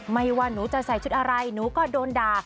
ไม่ว่าหนูจะใส่ชุดอะไรหนูก็โดนด่า